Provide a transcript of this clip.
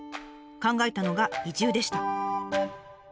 考えたのが移住でした。